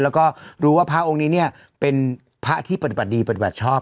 แล้วก็รู้ว่าพระองค์นี้เป็นภาคที่ปฏิบัติดีประดิบัติชอบ